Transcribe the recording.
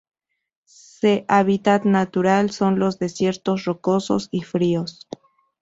Se hábitat natural son los desiertos rocosos y fríos.